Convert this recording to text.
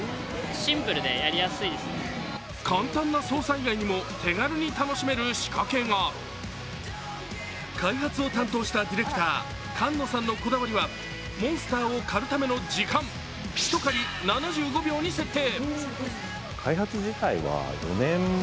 簡単な操作以外にも手軽に楽しめる仕掛けが開発を担当したディレクター、菅野さんのこだわりはモンスターを狩るための時間、ひと狩り７５秒に設定。